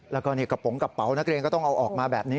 แล้วก็กระโปรงกระเป๋านักเรียนก็ต้องเอาออกมาแบบนี้